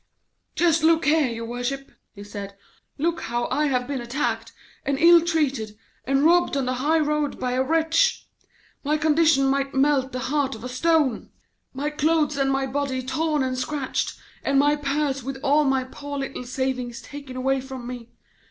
'Just look here, your worship,' he said, 'look how I have been attacked, and ill treated, and robbed on the high road by a wretch. My condition might melt the heart of a stone; my clothes and my body torn and scratched, and my purse with all my poor little savings taken away from me.